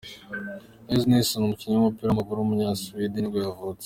Lasse Nilsson, umukinnyi w’umupira w’amaguru w’umunyasuwedi nibwo yavutse.